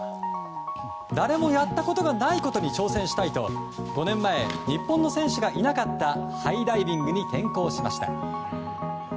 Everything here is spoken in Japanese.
誰もやったことがないことに挑戦したいと５年前、日本の選手がいなかったハイダイビングに転向しました。